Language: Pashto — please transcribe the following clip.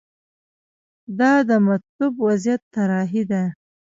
دا د مطلوب وضعیت طراحي ده.